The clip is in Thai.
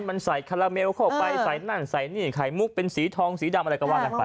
มันใส่คาราเมลเข้าออกไปใส่ไข่มุกเป็นสีทองสีดำอะไรก็หวานกันไป